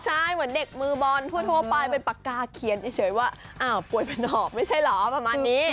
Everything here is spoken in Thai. ใช่เหมือนเด็กมือบอลทั่วไปเป็นปากกาเขียนเฉยว่าอ้าวป่วยเป็นหอบไม่ใช่เหรอประมาณนี้